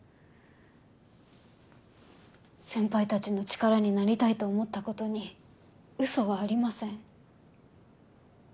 先輩たちの力になりたいと思ったことに嘘はありません。